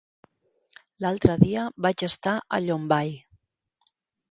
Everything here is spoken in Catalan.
L'altre dia vaig estar a Llombai.